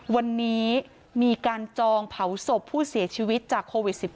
วันนี้มีการจองเผาศพผู้เสียชีวิตจากโควิด๑๙